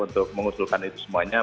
untuk mengusulkan itu semuanya